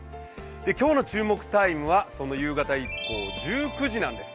今日の注目タイムは夕方以降、１９時なんです。